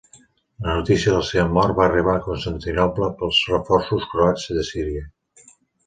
La notícia de la seva mort va arribar a Constantinoble pels reforços croats de Síria.